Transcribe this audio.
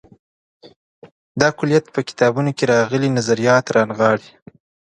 دا کُلیت په کتابونو کې راغلي نظریات رانغاړي.